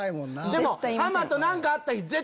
でもハマと何かあった日。